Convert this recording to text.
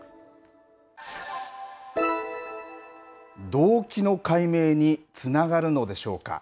動機の解明につながるのでしょうか。